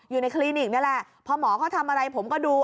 คลินิกนี่แหละพอหมอเขาทำอะไรผมก็ดู